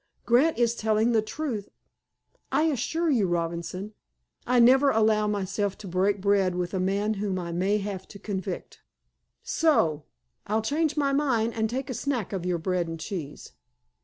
Grant is telling the truth. I assure you, Robinson, I never allow myself to break bread with a man whom I may have to convict. So, I'll change my mind, and take a snack of your bread and cheese."